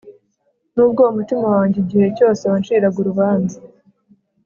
nubwo umutima wanjye igihe cyose wanshiraga urubanza